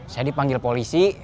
saya dipanggil polisi